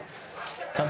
ちゃんと。